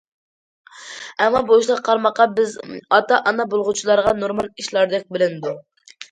ئەمما، بۇ ئىشلار قارىماققا بىز ئاتا- ئانا بولغۇچىلارغا نورمال ئىشلاردەك بىلىنىدۇ.